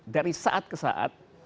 dari saat ke saat